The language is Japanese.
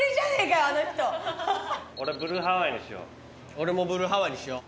俺ブルーハワイにしよう。